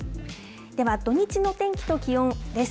では土日の天気と気温です。